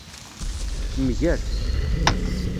Mger.